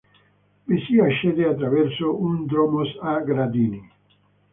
Vi si accede attraverso un dromos a gradini.